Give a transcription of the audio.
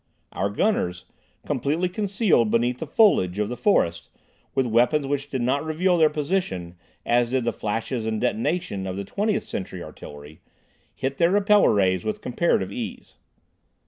Our gunners, completely concealed beneath the foliage of the forest, with weapons which did not reveal their position, as did the flashes and detonation of the Twentieth Century artillery, hit their repeller rays with comparative ease.